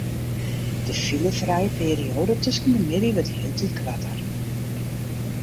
De filefrije perioade tusken de middei wurdt hieltyd koarter.